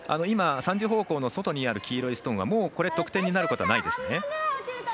３時方向の外にある黄色いストーンはもう得点になることはないですね。